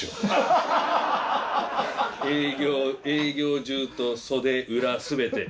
営業じゅうと袖裏全て。